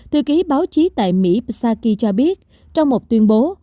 thư ký báo chí tại mỹ saki cho biết trong một tuyên bố